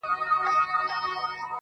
لنډۍ په غزل کي، درېیمه برخه!.